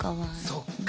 そっか。